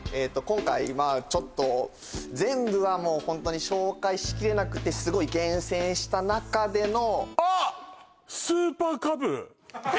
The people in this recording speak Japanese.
今回まあちょっと全部はもうホントに紹介しきれなくてすごい厳選した中でのあっ！